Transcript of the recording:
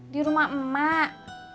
di rumah emak